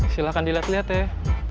silahkan diliat liat teh